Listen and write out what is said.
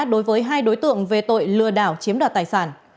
đối với hai đối tượng về tội lừa đảo chiếm đoạt tài sản